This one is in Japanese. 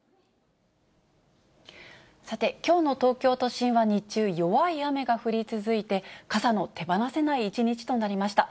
さて、きょうの東京都心は日中、弱い雨が降り続いて、傘の手放せない一日となりました。